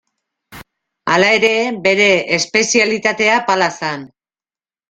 Hala ere, bere espezialitatea pala zen.